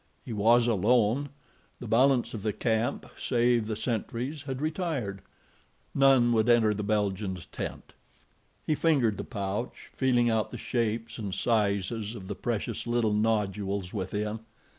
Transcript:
He was alone. The balance of the camp, save the sentries, had retired—none would enter the Belgian's tent. He fingered the pouch, feeling out the shapes and sizes of the precious, little nodules within.